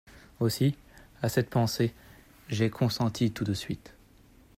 Aussi, à cette pensée, j’ai consenti tout de suite.